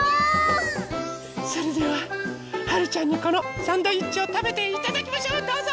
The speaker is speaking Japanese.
それでははるちゃんにこのサンドイッチをたべていただきましょうどうぞ！